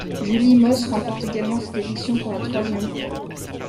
Julie Moss remporte également cette édition pour la troisième fois.